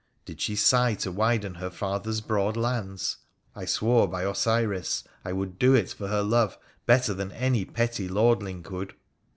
Did she sigh to widen her father's broad lands ? I swore by Osiris I would do it for her love better than any petty lord ling could.